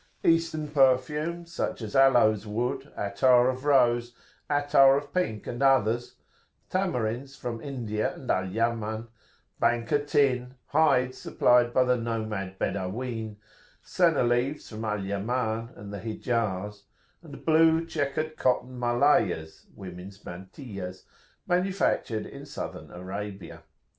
Eastern perfumes, such as aloes wood, attar of rose, attar of pink and others; tamarinds from India and Al Yaman, Banca tin, hides supplied by the nomade Badawin, senna leaves from Al Yaman and the Hijaz, and blue chequered cotton Malayahs (women's mantillas), manufactured in southern Arabia.